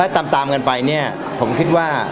ตามกันไปเนี่ยผมคิดว่า